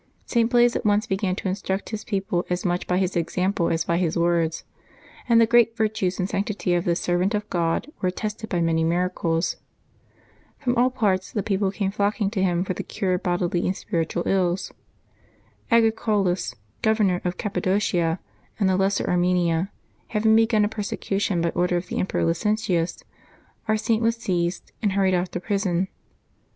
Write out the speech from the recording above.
St. Blase at once began to instruct his people as much by his example as by his words, and the great virtues and sanctity of this servant of God were attested by many mira cles. From all parts tlie people came flocking to him for the cure of bodily and spiritual ills. Agricolaus, Governor of Cappadocia and the Lesser Armenia, having begun a persecution by order of the Emperor Licinius, our Saint was seized and hurried off to prison.